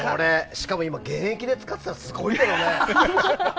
しかも今、現役で使ってたらすごいけどね。